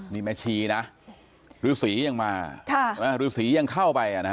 มีแม่ชีนะรูสียังมารูสียังเข้าไป